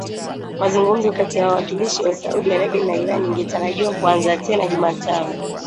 mazungumzo kati ya wawakilishi wa Saudi Arabia na Iran ingetarajiwa kuanza tena Jumatano